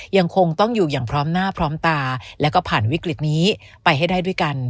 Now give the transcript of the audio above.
ยังคงต้องอยู่อย่างพร้อมหน้าพร้อมตาแล้วก็ผ่านวิกฤตนี้ไปให้ได้ด้วยกัน